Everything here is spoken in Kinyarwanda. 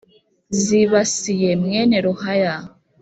Zibasiye mwene Ruhaya